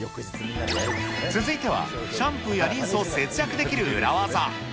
続いてはシャンプーやリンスを節約できる裏ワザ。